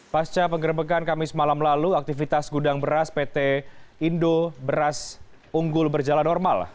pasca penggerbekan kamis malam lalu aktivitas gudang beras pt indo beras unggul berjalan normal